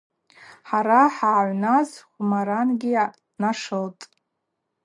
Хӏара хӏъагӏвназ Хӏвмарангьи нашылтӏ.